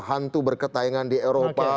hantu berketayangan di eropa